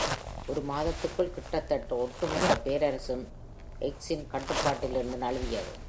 ஒரு மாதத்துக்குள், கிட்டத்தட்ட ஒட்டுமொத்தப் பேரரசும் Xinன் கட்டுப்பாட்டிலிருந்து நழுவியது.